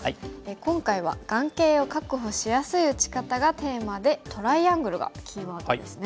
今回は眼形を確保しやすい打ち方がテーマでトライアングルがキーワードですね。